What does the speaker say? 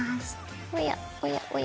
おやおやおや。